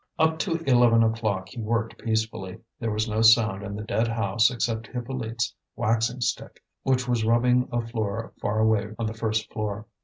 Up to eleven o'clock he worked peacefully; there was no sound in the dead house except Hippolyte's waxing stick, which was rubbing a floor far away on the first floor.